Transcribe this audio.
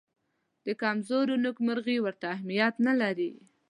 د کمزورو نېکمرغي ورته اهمیت نه لري.